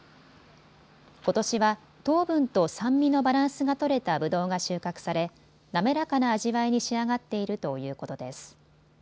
ことしは糖分と酸味のバランスが取れたぶどうが収穫され、なめらかな味わいに仕上がっているということです。